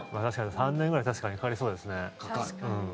確かに３年ぐらいかかりそうですね。